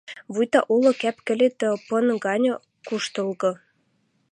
Вуйта улы кӓп-кӹлет пын гань куштылга.